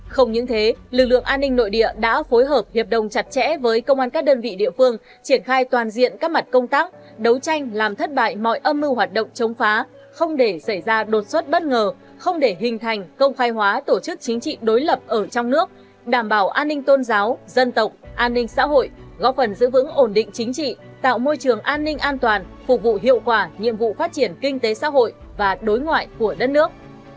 không những thế lực lượng an ninh nội địa đã phối hợp hiệp đồng chặt chẽ với công an các đơn vị địa phương triển khai toàn diện các mặt công tác đấu tranh làm thất bại mọi âm mưu hoạt động chống phá không để xảy ra đột xuất bất ngờ không để hình thành công phai hóa tổ chức chính trị đối lập ở trong nước đảm bảo an ninh tôn giáo dân tộc an ninh xã hội góp phần giữ vững ổn định chính trị tạo môi trường an ninh an toàn phục vụ hiệu quả nhiệm vụ phát triển kinh tế xã hội và đối ngoại của đất nước